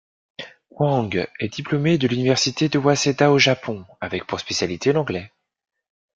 Hwang est diplômé de l'université de Waseda au Japon avec pour spécialité l'anglais.